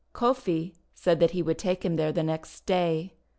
Kofi said that he would take him there the next day.